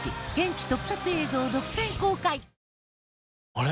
あれ？